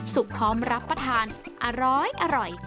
พร้อมรับประทานอร้อย